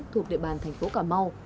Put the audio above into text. thuộc địa bàn thành phố cà mau